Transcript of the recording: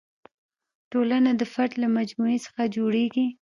ټولنه د فرد له مجموعې څخه جوړېږي.